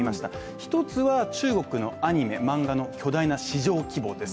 一つは中国のアニメ漫画の巨大な市場規模です。